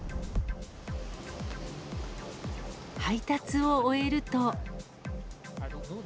配達を終えると。